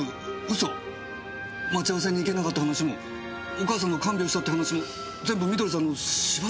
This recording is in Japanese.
待ち合わせに行けなかった話もお母さんの看病をしたって話も全部美登里さんの芝居？